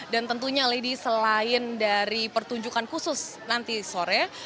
dan tentunya lady selain dari pertunjukan khusus nanti sore